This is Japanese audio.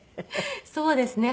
そうですね。